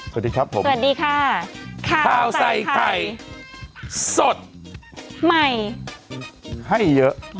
สวัสดีครับผมสวัสดีค่ะข้าวใส่ไข่สดใหม่ให้เยอะ